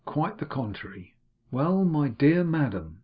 Quite the contrary. 'Well, my dear madam!